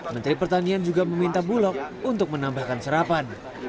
menteri pertanian juga meminta bulog untuk menambahkan serapan